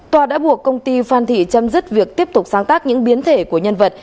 tòa đã buộc công ty phan thị chấm dứt việc tiếp tục sáng tác những biến thể của nhân vật